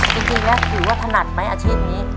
จริงแล้วถือว่าถนัดไหมอาชีพนี้